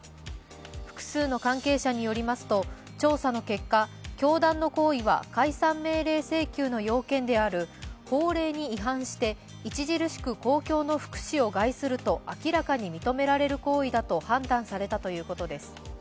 複数の関係者によりますと、調査の結果、教団の行為は解散命令請求の要件である法令に違反して著しく公共の福祉を害すると明らかに認められる行為だと判断されたというｋとです。